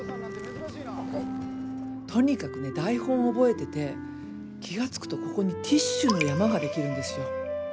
とにかくね台本覚えてて気が付くとここにティッシュの山ができるんですよ。